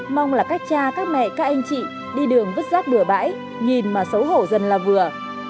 mong là các cha các mẹ các anh chị đi đường vứt rác bừa bãi nhìn mà xấu hổ dân là vừa